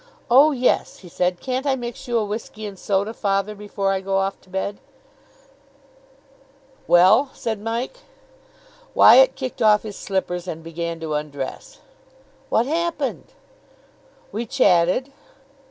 "Oh, yes," he said. "Can't I mix you a whisky and soda, father, before I go off to bed?" "Well?" said Mike. Wyatt kicked off his slippers, and began to undress. "What happened?" "We chatted."